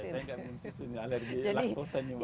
saya kan minum susu ini alergi laktose